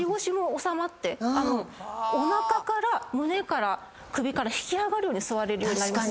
おなかから胸から首から引き上がるように座れるようになります。